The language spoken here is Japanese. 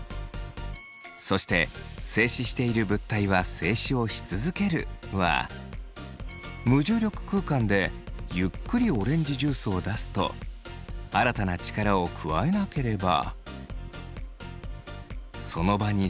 そして「静止している物体は静止をし続ける」は無重力空間でゆっくりオレンジジュースを出すと新たな力を加えなければその場に静止し続けます。